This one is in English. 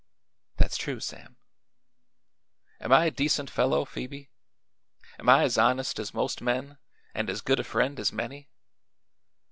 "That's true, Sam." "Am I a decent fellow, Phoebe? Am I as honest as most men, and as good a friend as many?"